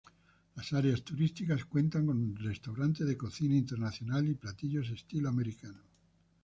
Las áreas turísticas cuentan con restaurantes de cocina internacional y platillos estilo americano.